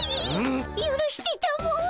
ゆるしてたも。